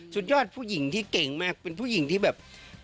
สุดยอดผู้หญิงที่เก่งมากเป็นผู้หญิงที่แบบ